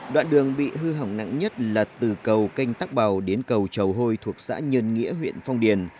đoạn đường bị hư hỏng nặng nhất là từ cầu canh tắc bào đến cầu trầu hôi thuộc xã nhân nghĩa huyện phong điền